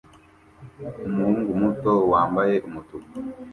Umuhungu muto wambaye umutuku